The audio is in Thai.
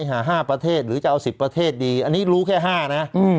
หาห้าประเทศหรือจะเอาสิบประเทศดีอันนี้รู้แค่ห้าน่ะอืม